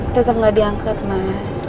tetep gak diangkat mas